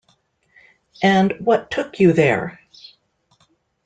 And what took you there?